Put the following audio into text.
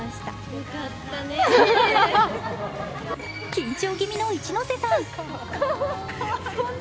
緊張気味の一ノ瀬さん。